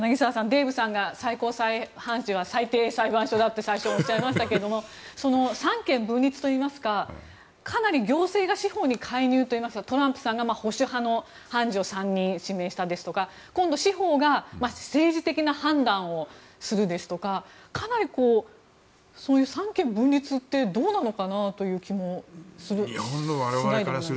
デーブさんが最高裁判定は最低裁判所だと最初、おっしゃりましたけどその三権分立といいますかかなり行政が司法に介入というか、トランプさんが保守派の判事を３人指名したりですとか今度、司法が政治的判断をするですとかかなり三権分立ってどうなのかなという気もします。